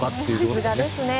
さすがですね。